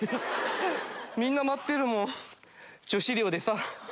みんな待ってるもん女子寮でさ。